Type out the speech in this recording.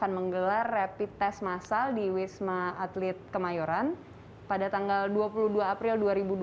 akan menggelar rapid test massal di wisma atlet kemayoran pada tanggal dua puluh dua april dua ribu dua puluh